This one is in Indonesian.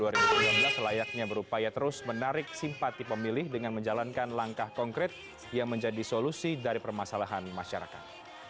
selayaknya berupaya terus menarik simpati pemilih dengan menjalankan langkah konkret yang menjadi solusi dari permasalahan masyarakat